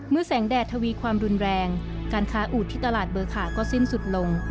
แสงแดดทวีความรุนแรงการค้าอูดที่ตลาดเบอร์ขาก็สิ้นสุดลง